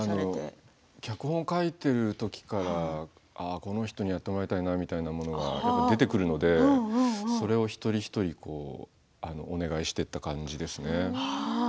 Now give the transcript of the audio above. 脚本、書いてるときからこの人にやってもらいたいなみたいなものがやっぱり出てくるのでそれを一人一人お願いしていった感じですね。